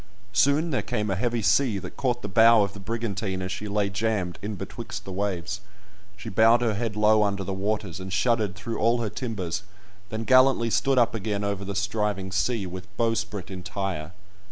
Soon there came a heavy sea, that caught the bow of the brigantine as she lay jammed in betwixt the waves; she bowed her head low under the waters, and shuddered through all her timbers, then gallantly stood up again over the striving sea, with bowsprit entire.